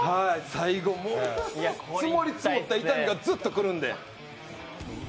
積もり積もった痛みがずっとくるんで。